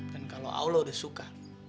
dan kalau allah udah suka